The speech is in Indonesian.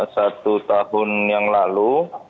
satu tahun yang lalu